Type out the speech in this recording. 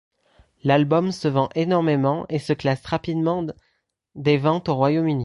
L'album se vend énormément et se classe rapidement des ventes au Royaume-Uni.